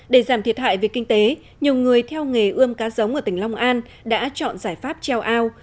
để giảm thiệt hại về kinh tế nhiều người theo nghề ươm cá giống ở tỉnh long an đã chọn giải pháp treo ao